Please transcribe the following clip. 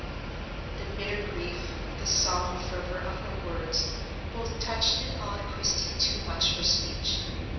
The bitter grief, the solemn fervor of her words, both touched and awed Christie too much for speech.